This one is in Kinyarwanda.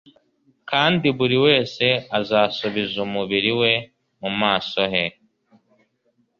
kandi buri wese azasubiza umubiri we mu maso he